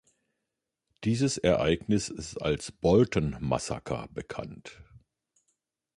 Dieses Ereignis ist als "Bolton Massaker" bekannt.